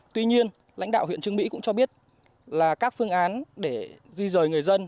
tuy nhiên lãnh đạo huyện trương mỹ cũng cho biết là các phương án để duy dời người dân